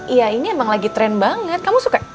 iya ini emang lagi tren banget kamu suka